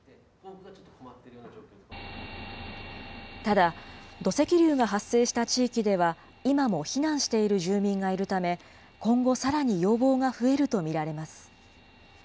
ただ、土石流が発生した地域では、今も避難している住民がいるため、今後さらに要望が増えると見られます。